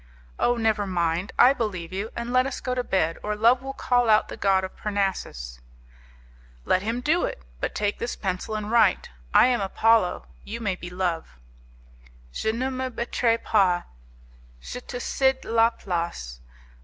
"Oh, never mind! I believe you, and let us go to bed, or Love will call out the god of Parnassus." "Let him do it, but take this pencil and write; I am Apollo, you may be Love." 'Je ne me battrai pas; je te cede la place.